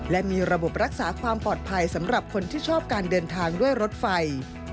และมีระบบรักษาความปลอดภัยสำหรับคนที่ชอบการเดินทางด้วยรถไฟ